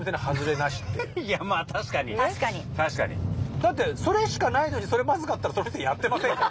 だってそれしかないのにそれマズかったらその店やってませんから。